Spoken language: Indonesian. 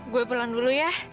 gue pelan dulu ya